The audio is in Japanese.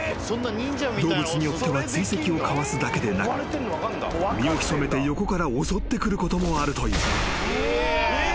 ［動物によっては追跡をかわすだけでなく身を潜めて横から襲ってくることもあるという］